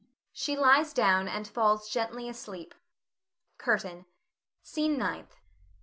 [She lies down and falls gently asleep.] CURTAIN. SCENE NINTH.